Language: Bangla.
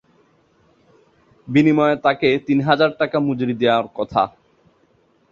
বিনিময়ে তাঁকে তিন হাজার টাকা মজুরি দেওয়ার কথা।